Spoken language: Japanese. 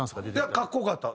いやかっこよかった。